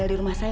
aku mau pergi